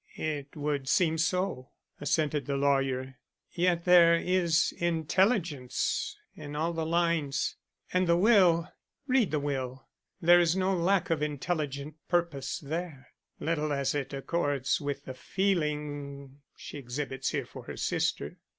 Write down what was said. "It would seem so," assented the lawyer. "Yet there is intelligence in all the lines. And the will read the will. There is no lack of intelligent purpose there; little as it accords with the feeling she exhibits here for her sister.